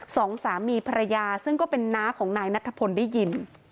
สองสามีภรรยาซึ่งก็เป็นน้าของนายนัทธพลได้ยิน